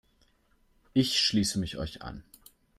Ich schließe mich euch an.